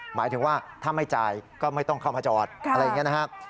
หมายถึงว่าถ้าไม่จ่ายก็ไม่ต้องเข้ามาจอดอะไรอย่างนี้นะครับ